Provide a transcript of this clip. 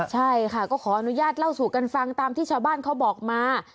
ใช่ค่ะก็ขออนุญาตเล่าสู่กันฟังตามที่ชาวบ้านเขาบอกมา